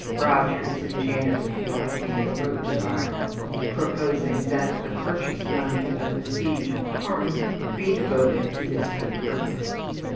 Rogers, enchanted with the idea, wrote to Byron, proposing that the purchase money of "The Siege of Corinth" be devoted to this good purpose.